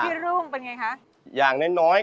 เป็นไงคะอย่างน้อย